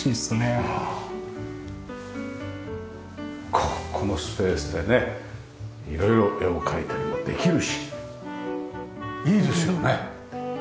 ここのスペースでね色々絵を描いたりもできるしいいですよね！